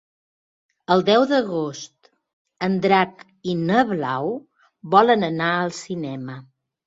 El deu d'agost en Drac i na Blau volen anar al cinema.